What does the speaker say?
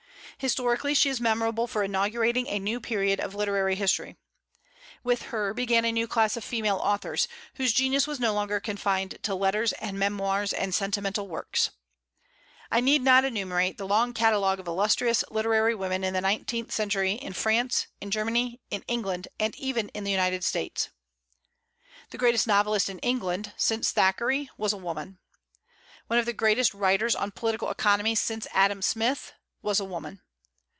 Historically she is memorable for inaugurating a new period of literary history. With her began a new class of female authors, whose genius was no longer confined to letters and memoirs and sentimental novels. I need not enumerate the long catalogue of illustrious literary women in the nineteenth century in France, in Germany, in England, and even in the United States. The greatest novelist in England, since Thackeray, was a woman. One of the greatest writers on political economy, since Adam Smith, was a woman.